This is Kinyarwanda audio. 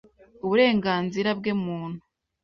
uburengenzire bwe muntu